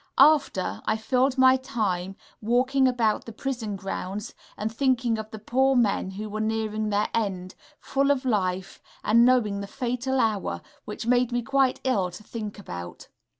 After, I filled my time walking about the prison grounds, and thinking of the poor men who were nearing their end, full of life, and knowing the fatal hour, which made me quite ill to think about.